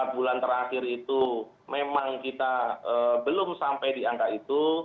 empat bulan terakhir itu memang kita belum sampai di angka itu